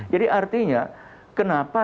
jadi artinya kenapa